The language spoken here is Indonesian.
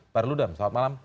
pak rudam selamat malam